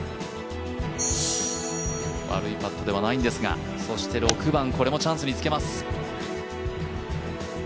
悪いパットではないんですがそして、６番これもチャンスにつけます。